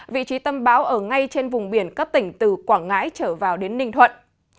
vị trí tâm bão ở ngay trên vùng biển các tỉnh từ quảng ngãi trở vào đến ninh thuận